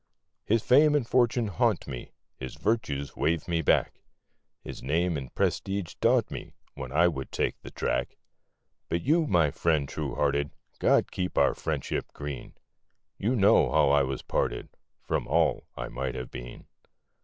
His fame and fortune haunt me; His virtues wave me back; His name and prestige daunt me When I would take the track; But you, my friend true hearted God keep our friendship green! You know how I was parted From all I might have been.